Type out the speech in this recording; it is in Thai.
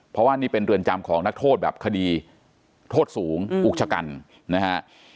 เพราะว่านี่เป็นเรือนจำของนักโทษแบบคดีโทษสูงอุกชะกันนะฮะ